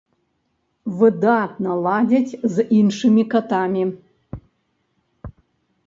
Выдатна ладзяць з іншымі катамі.